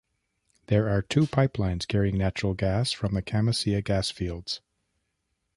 There are two pipelines carrying natural gas from the Camisea gas fields.